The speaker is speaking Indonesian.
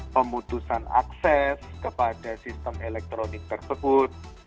pemutusan akses kepada sistem elektronik tersebut